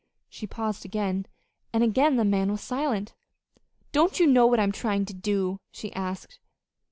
She paused again, and again the man was silent. "Don't you know what I'm trying to do?" she asked.